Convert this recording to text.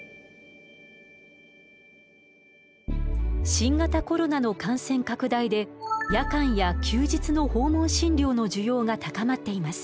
新型コロナの感染拡大で夜間や休日の訪問診療の需要が高まっています。